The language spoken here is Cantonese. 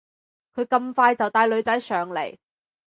佢咁快就帶女仔上嚟